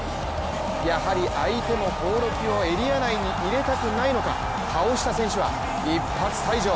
やはり相手も興梠をエリア内に入れたくないのか倒した選手は一発退場。